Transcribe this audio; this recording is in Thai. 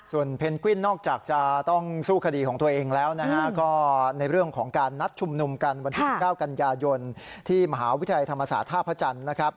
เพนกวินนอกจากจะต้องสู้คดีของตัวเองแล้วนะฮะก็ในเรื่องของการนัดชุมนุมกันวันที่๑๙กันยายนที่มหาวิทยาลัยธรรมศาสตร์ท่าพระจันทร์นะครับ